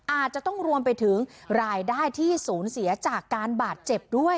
อาจจะต้องรวมไปถึงรายได้ที่สูญเสียจากการบาดเจ็บด้วย